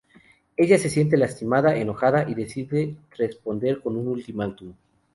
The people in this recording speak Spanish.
Ella se siente lastimada, enojada, y decide responder con un ultimátum.